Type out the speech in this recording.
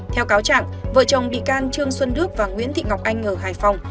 theo cáo trạng vợ chồng bị can trương xuân đức và nguyễn thị ngọc anh ở hải phòng